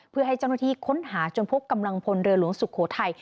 เพื่อให้เจ้าหน้าที่ค้นหาจนพบกำลังพลเรือหลวงสุโขทัย